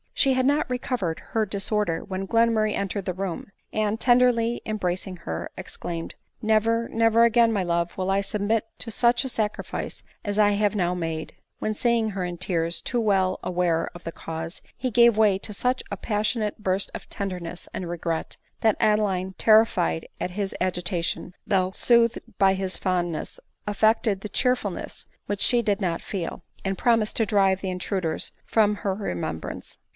She had not recovered her disorder when Glenmurray entered the room, and, tenderly embracing*her, exclaimed, " Never, never again, my love, will I submit to such a sacrifice as I have now made ;" when seeing her in tears, too well aware of the cause, he gave way to such a pas sionate burst of tenderness and regret, that Adeline, ter rified at his agitation, though soothed by his fondness, affected the cheerfulness which she did not feel, and promised to drive the intruders from her remembrance.